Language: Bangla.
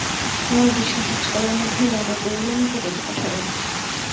আমার বিশ্বাস আজকালের মধ্যেই দাদা বউরানীকে ডেকে পাঠাবেন।